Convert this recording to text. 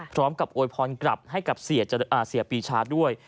พร้อมกับโอไปกลับให้กับเสียปีช้าด้วย